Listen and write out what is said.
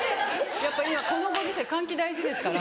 やっぱ今この時世換気大事ですから。